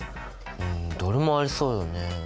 うんどれもありそうだね。